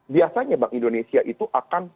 biasanya bank indonesia itu akan